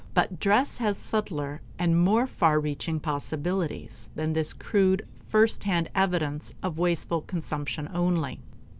But dress has subtler and more far reaching possibilities than this crude, first hand evidence of wasteful consumption only.